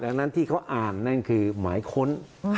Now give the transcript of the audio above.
ดังนั้นที่เขาอ่านนั่นคือหมายค้น